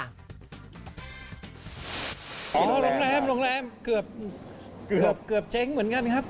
โรงแรมเกือบเจ๊งเหมือนกันครับ